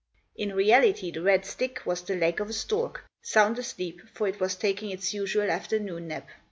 In reality, the red stick was the leg of a stork, sound asleep, for it was taking its usual afternoon nap.